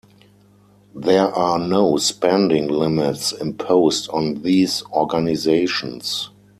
There are no spending limits imposed on these organizations.